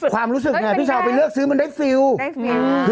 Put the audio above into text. ความรู้สึกไงพี่ชาวไปเลือกซื้อมันได้ฟิล